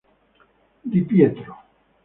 Di Pietro